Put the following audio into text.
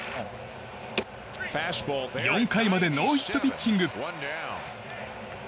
４回までノーヒットピッチング。